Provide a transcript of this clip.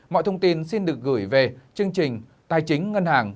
mọi thông tin xin được gửi về chương trình tài chính ngân hàng